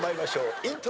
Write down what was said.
イントロ。